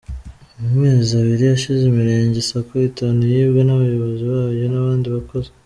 Mu mezi abiri ashize imirenge Sacco itanu yibwe n’abayobozi bayo n’abandi bakozi.